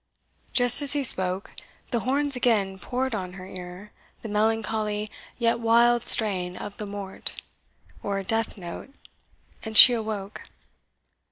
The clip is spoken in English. Just as he spoke, the horns again poured on her ear the melancholy yet wild strain of the MORT, or death note, and she awoke.